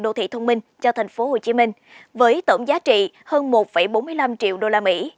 đô thị thông minh cho thành phố hồ chí minh với tổng giá trị hơn một bốn mươi năm triệu usd